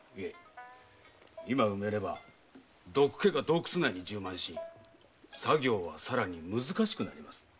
今埋めれば毒気が洞窟内に充満し作業はさらに難しくなります。